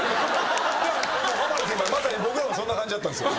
まさに僕らもそんな感じだったんですよ。